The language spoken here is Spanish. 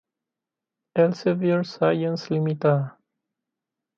Elsevier Science Ltd.